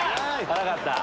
辛かった！